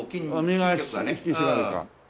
身が引き締まるか。